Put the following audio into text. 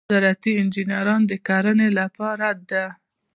زراعتي انجنیری د کرنې لپاره ده.